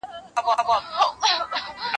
زه کولای سم ترتيب وکړم؟!